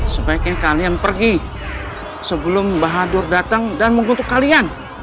sebaiknya kalian pergi sebelum bahadur datang dan mengkutuk kalian